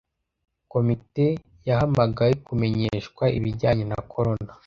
Komite yahamagawe kumenyeshwa ibijyanye na corona.